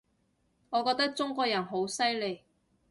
我覺得中國人好犀利